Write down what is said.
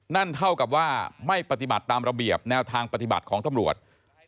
นั่นเท่ากับว่าไม่ปฏิบัติตามระเบียบแนวทางปฏิบัติของตำรวจ